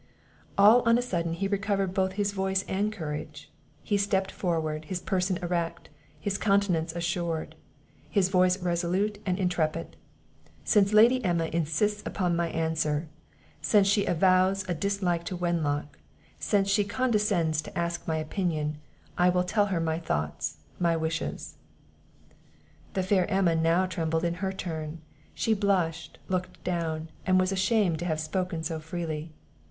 All on a sudden he recovered both his voice and courage; he stepped forward, his person erect, his countenance assured, his voice resolute and intrepid. "Since Lady Emma insists upon my answer, since she avows a dislike to Wenlock, since she condescends to ask my opinion, I will tell her my thoughts, my wishes." The fair Emma now trembled in her turn; she blushed, looked down, and was ashamed to have spoken so freely.